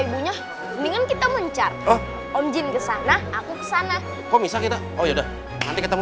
ibunya mendingan kita mencar om jin kesana aku kesana kok bisa kita oh ya udah nanti ketemu